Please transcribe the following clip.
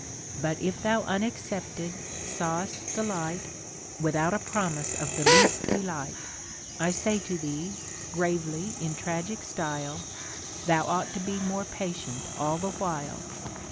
But if thou une.xcepted saw'st the light, Without a promise of the least delight, I say to thee (gravely in tragic style) Thou ought to be more patient all the while.